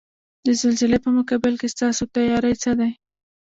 د زلزلې په مقابل کې ستاسو تیاری څه دی؟